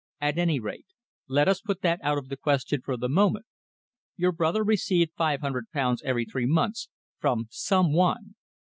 At any rate, let us put that out of the question for the moment. Your brother received five hundred pounds every three months from some one.